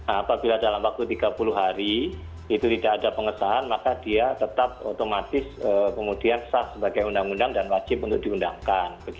apabila dalam waktu tiga puluh hari itu tidak ada pengesahan maka dia tetap otomatis kemudian sah sebagai undang undang dan wajib untuk diundangkan